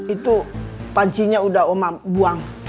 itu pancinya udah omam buang